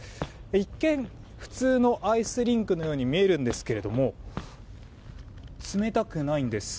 一見、普通のアイスリンクのように見えるんですけど冷たくないんです。